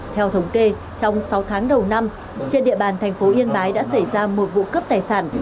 theo thống kê trong sáu tháng đầu năm trên địa bàn thành phố yên bái đã xảy ra một vụ cướp tài sản